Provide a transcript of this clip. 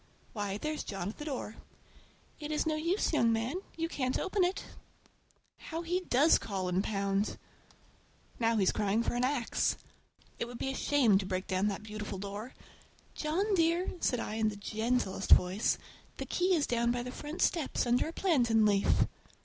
Why, there's John at the door! It is no use, young man, you can't open it! How he does call and pound! Now he's crying for an axe. It would be a shame to break down that beautiful door! "John dear!" said I in the gentlest voice, "the key is down by the front steps, under a plantain leaf!"